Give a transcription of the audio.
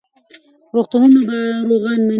روغتونونه ناروغان مني.